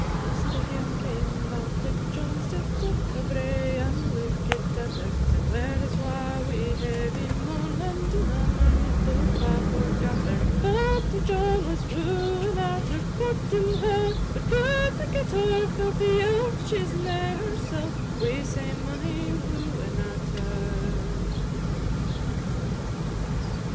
VI. Neist to him came Baltic John, Stept up the brae, and leukit at her, Syne wear his wa', wi' heavy moan, And in a month or twa forgat her: Baltic John was wooing at her, Courting her, but cudna get her; Filthy elf, she 's nae herself, wi' sae mony wooing at her.